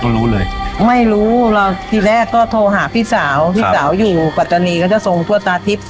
ก็รู้เลยไม่รู้เราทีแรกก็โทรหาพี่สาวพี่สาวอยู่ปัจจันทรีย์เขาจะทรงทั่วตาทิศ